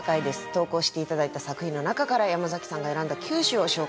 投稿して頂いた作品の中から山崎さんが選んだ９首を紹介していきます。